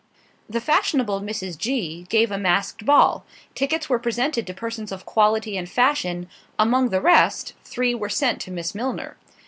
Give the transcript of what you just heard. The fashionable Mrs. G—— gave a masked ball; tickets were presented to persons of quality and fashion; among the rest, three were sent to Miss Milner.